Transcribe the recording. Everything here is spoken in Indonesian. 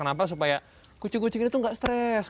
kenapa supaya kucing kucing ini tuh gak stress